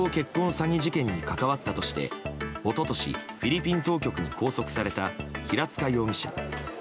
詐欺事件に関わったとして一昨年フィリピン当局に拘束された平塚容疑者。